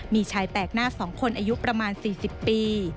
มีชายแปลกหน้าสองคนอายุประมาณสี่สิบปี